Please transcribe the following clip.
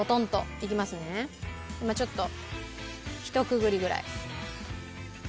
今ちょっとひとくぐりぐらい。